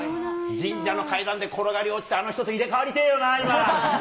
神社の階段で転がり落ちてあの人と入れ代わりてーよな、今。